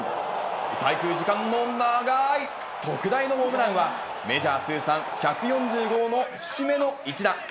滞空時間の長い特大のホームランは、メジャー通算１４０号の節目の一打。